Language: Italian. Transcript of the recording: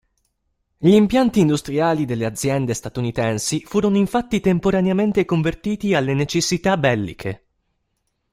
Gli impianti industriali delle aziende statunitensi furono infatti temporaneamente convertiti alle necessità belliche.